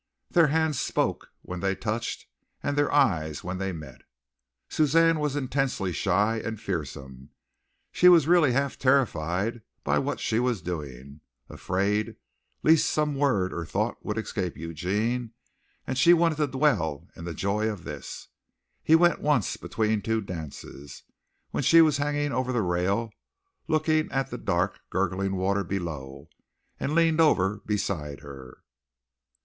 Their hands spoke when they touched and their eyes when they met. Suzanne was intensely shy and fearsome. She was really half terrified by what she was doing afraid lest some word or thought would escape Eugene, and she wanted to dwell in the joy of this. He went once between two dances, when she was hanging over the rail looking at the dark, gurgling water below, and leaned over beside her.